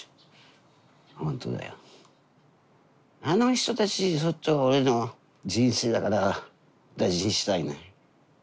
あの人たち俺の人生だから大事にしたいね。